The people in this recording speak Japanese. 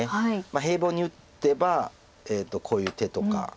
平凡に打てばこういう手とか。